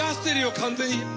完全に。